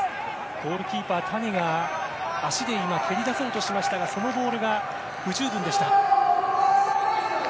ゴールキーパー、谷が足で蹴り出そうとしましたがそのボールが不十分でした。